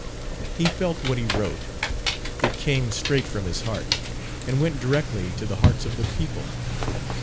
He felt what he wrote; it came straight from his heart, and went directly to the hearts of the people.